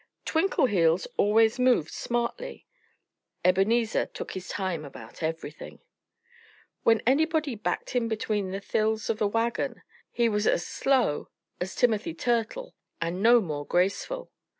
Twinkleheels always moved smartly. Ebenezer took his time about everything. When anybody backed him between the thills of a wagon he was as slow as Timothy Turtle and no more graceful.